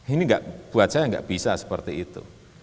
ini buat saya nggak bisa seperti itu